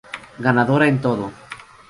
Ganadora En Todo